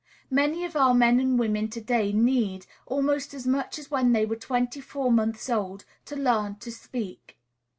Many of our men and women to day need, almost as much as when they were twenty four months old, to learn to speak.